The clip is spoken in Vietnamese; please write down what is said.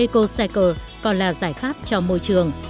cũng là giải pháp cho môi trường